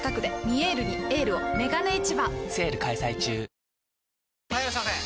ホーユー・はいいらっしゃいませ！